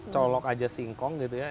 colok aja singkong gitu ya